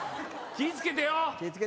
気ぃ付けてよ。